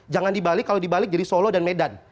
jangan dibalik kalau dibalik jadi solo dan medan